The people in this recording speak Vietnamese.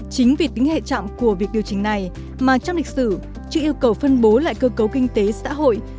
chính vì tính hệ trọng của việc điều chỉnh này mà trong lịch sử chưa yêu cầu phân bố lại cơ cấu kinh tế xã hội